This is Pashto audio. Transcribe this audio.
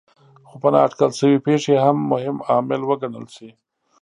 خو په نااټکل شوې پېښې هم مهم عامل وګڼل شي.